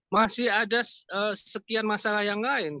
masih ada sekian masalah yang lain